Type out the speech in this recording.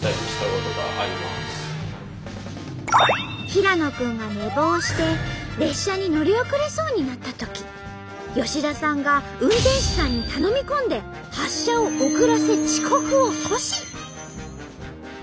平野君が寝坊して列車に乗り遅れそうになったとき吉田さんが運転士さんに頼み込んで発車を遅らせ遅刻を阻止！